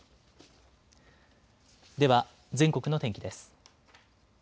では全国の天気です。